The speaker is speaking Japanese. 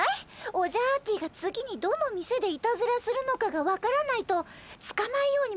オジャアーティが次にどの店でいたずらするのかが分からないとつかまえようにもつかまえられないよ。